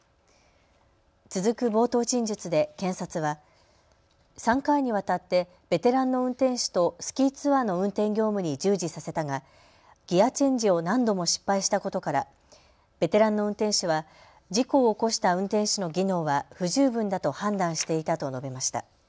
続く冒頭陳述で検察は３回にわたってベテランの運転手とスキーツアーの運転業務に従事させたがギアチェンジを何度も失敗したことからベテランの運転手は事故を起こした運転手の技能は不十分だと判断していたと述べました。